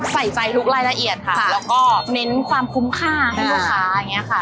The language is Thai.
ใส่ใจทุกฤทธิ์ละเอียดค่ะแล้วก็เน้นความคุ้มค่าให้ลูกค้า